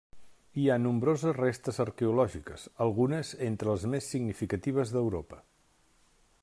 Hi ha nombroses restes arqueològiques, algunes entre les més significatives d'Europa.